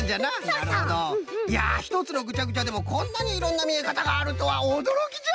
いやひとつのぐちゃぐちゃでもこんなにいろんなみえかたがあるとはおどろきじゃ。